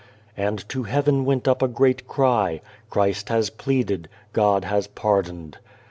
And to heaven went up a great cry :" Christ has pleaded, God has pardoned."